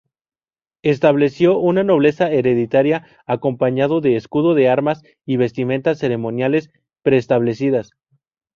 Estableció una nobleza hereditaria, acompañado de escudo de armas y vestimentas ceremoniales preestablecidas.